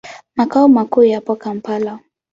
Makao makuu yapo Kampala.